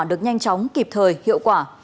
được nhanh chóng kịp thời hiệu quả